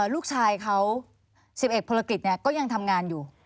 ลูกชายเขา๑๑ภารกิจเนี่ยก็ยังทำงานอยู่